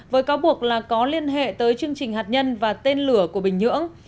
với cáo buộc là có liên hệ tới chương trình hạt nhân và tên lửa của bình nhưỡng